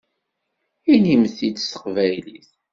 Inimt-t-id s teqbaylit!